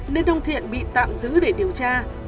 nên ông thiện bị tạm giữ để điều tra